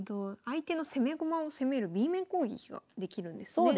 相手の攻め駒を攻めるＢ面攻撃ができるんですね。